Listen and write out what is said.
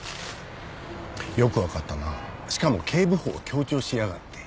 よく分かったなしかも「警部補」を強調しやがって。